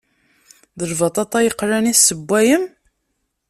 D lbaṭaṭa yeqlan i tessewwayem?